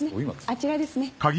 あちらですね。